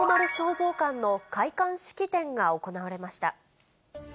蔵館の開館式典が行われました。